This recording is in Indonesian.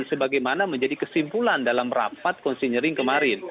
sebagaimana menjadi kesimpulan dalam rapat konsinyering kemarin